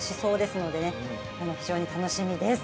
非常に楽しみです。